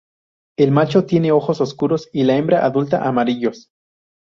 El macho tiene ojos oscuros y la hembra adulta, amarillos.